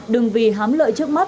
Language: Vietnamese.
đừng vì hám lợi trước mọi người